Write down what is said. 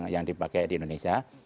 yang dipakai di indonesia